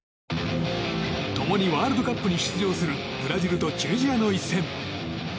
共にワールドカップに出場するブラジルとチュニジアの一戦。